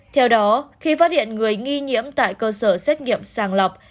theo đó khi phát hiện người nghi nhiễm tại cơ sở xét nghiệm sàng lọc